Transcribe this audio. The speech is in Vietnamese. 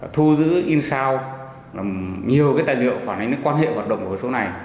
thu giữ in sao nhiều tài liệu phản ánh đến quan hệ hoạt động của số này